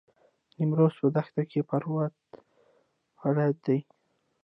نیمروز په دښت کې پروت ولایت دی.